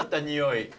におい。